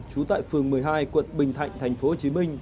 trú tại phường một mươi hai quận bình thạnh tp hcm